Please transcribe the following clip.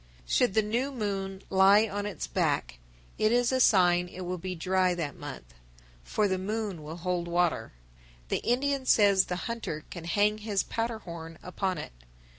_ 991. Should the new moon lie on its back, it is a sign it will be dry that month, for the moon would hold water. The Indian says the hunter can hang his powder horn upon it.